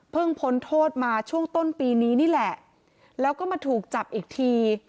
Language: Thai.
พ้นโทษมาช่วงต้นปีนี้นี่แหละแล้วก็มาถูกจับอีกที